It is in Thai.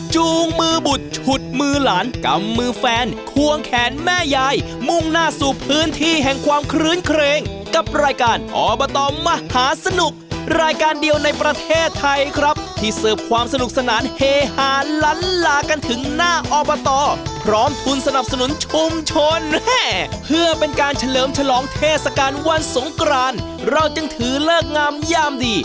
จูงมือบุตรฉุดมือหลานกำมือแฟนควงแขนแม่ยายมุ่งหน้าสู่พื้นที่แห่งความคลื้นเครงกับรายการอบตมหาสนุกรายการเดียวในประเทศไทยครับที่เสิร์ฟความสนุกสนานเฮฮาล้านลากันถึงหน้าอบตพร้อมทุนสนับสนุนชุมชนเพื่อเป็นการเฉลิมฉลองเทศกาลวันสงกรานเราจึงถือเลิกงามยามดี